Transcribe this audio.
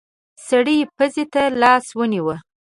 سړی پزې ته لاس ونيو.